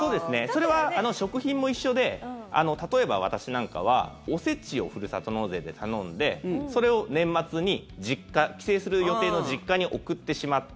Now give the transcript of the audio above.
それは食品も一緒で例えば私なんかはお節をふるさと納税で頼んでそれを年末に、帰省する予定の実家に送ってしまって。